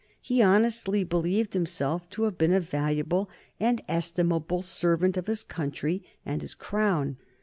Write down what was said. He honestly believed himself to have been a valuable and estimable servant of his country and his Crown.